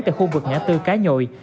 tại khu vực nhã tư cá nhội